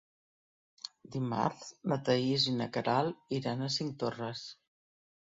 Dimarts na Thaís i na Queralt iran a Cinctorres.